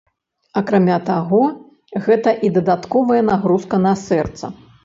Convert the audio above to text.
Акрамя таго, гэта і дадатковая нагрузка на сэрца.